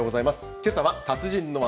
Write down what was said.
けさは達人の技。